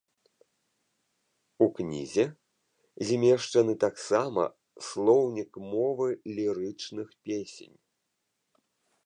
У кнізе змешчаны таксам слоўнік мовы лірычных песень.